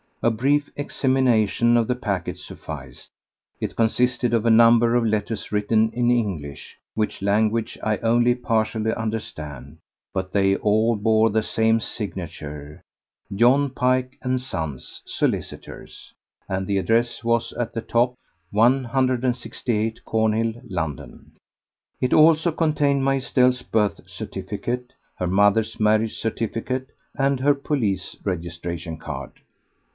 A brief examination of the packet sufficed. It consisted of a number of letters written in English, which language I only partially understand, but they all bore the same signature, "John Pike and Sons, solicitors," and the address was at the top, "168 Cornhill, London." It also contained my Estelle's birth certificate, her mother's marriage certificate, and her police registration card.